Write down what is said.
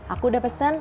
aku udah pesen